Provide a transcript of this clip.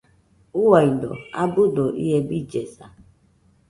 Uaido, abɨdo ie billesa.